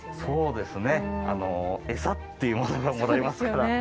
そうですね餌っていうものがもらえますから。